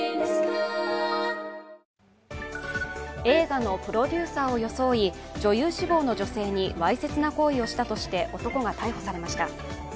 映画のプロデューサーを装い女優志望の女性にわいせつな行為をしたとして男が逮捕されました。